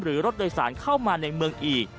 รถโดยสารเข้ามาในเมืองอีก